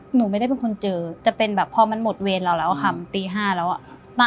หนูไม่ได้เป็นคนเจอจะเป็นแบบพอมันหมดเวรเราแล้วค่ะมันตี๕แล้วอ่ะ